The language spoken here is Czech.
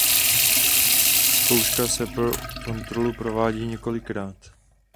Zkouška se pro kontrolu provádí několikrát.